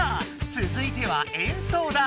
つづいては演奏だ！